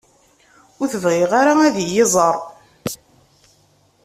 Ur t-bɣiɣ ara ad iyi-iẓer.